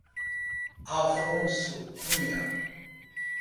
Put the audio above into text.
Afonso Cunha